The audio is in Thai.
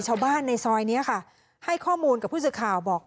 ชาวบ้านในซอยนี้ค่ะให้ข้อมูลกับผู้สื่อข่าวบอก